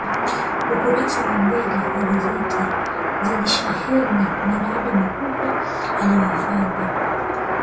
kurasa za mbele za magazeti zilisheheni miradi mikubwa aliyoifanya